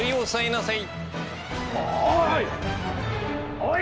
はい！